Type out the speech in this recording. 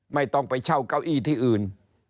ไม่ต้องไปเช่าเก้าอี้ที่อื่น